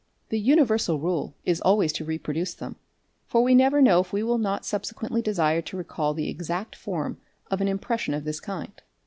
The universal rule is always to reproduce them, for we never know if we will not sub sequently desire to recall the exact form of an impression of this kind.